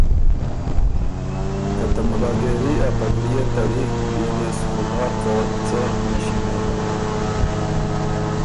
که ته مُلاګېري اپګړئے تړی بيې دې سو خُدَۀ که څۀ نِݭی نېله۔